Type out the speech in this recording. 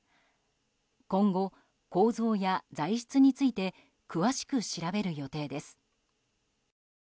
今後、構造や材質について詳しく調べる予定です。